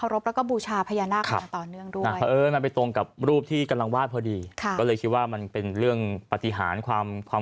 แล้วมันมีส่วนคล้ายกันไหมคะ